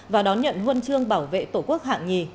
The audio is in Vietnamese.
và đón nhận huân chương bảo vệ tổ quốc hạng nhì